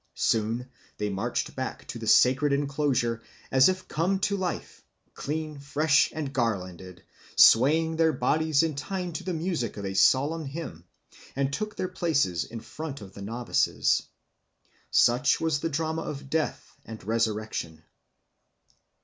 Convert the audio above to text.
Soon they marched back to the sacred enclosure as if come to life, clean, fresh, and garlanded, swaying their bodies in time to the music of a solemn hymn, and took their places in front of the novices. Such was the drama of death and resurrection.